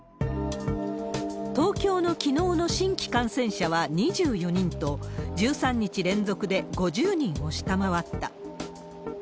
東京のきのうの新規感染者は２４人と、１３日連続で５０人を下回った。